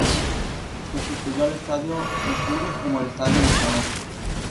Sustituyó el Estadio Uhuru como el estadio nacional.